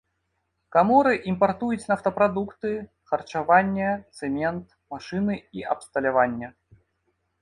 Каморы імпартуюць нафтапрадукты, харчаванне, цэмент, машыны і абсталяванне.